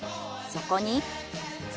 そこに。